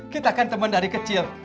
kita kan teman dari kecil